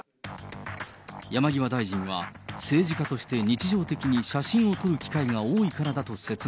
山際大臣は政治家として日常的に写真を撮る機会が多いからだ